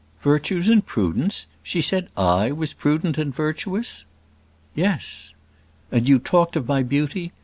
"Virtues and prudence! She said I was prudent and virtuous?" "Yes." "And you talked of my beauty?